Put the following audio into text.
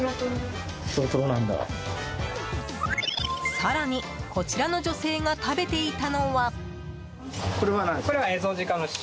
更にこちらの女性が食べていたのは。